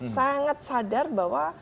sangat sadar bahwa